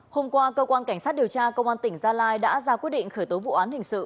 hôm qua cơ quan cảnh sát điều tra công an tỉnh gia lai đã ra quyết định khởi tố vụ án hình sự